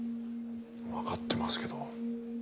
わかってますけど。